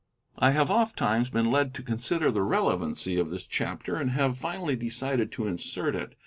I have oftentimes been led to consider the relevancy of this chapter, and have finally decided to insert it.